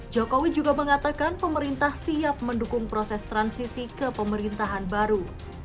jokowi juga mengatakan pemerintah siap mendukung proses transisi ke pemerintahan baru